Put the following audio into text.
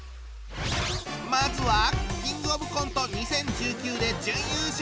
まずは「キングオブコント２０１９」で準優勝。